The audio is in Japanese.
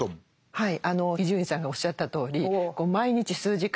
はい。